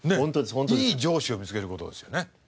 いい上司を見つける事ですよね。